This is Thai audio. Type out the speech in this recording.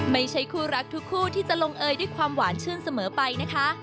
ไม่ใช่คู่รักทุกคู่ที่จะลงเอยด้วยความหวานชื่นเสมอไปนะคะ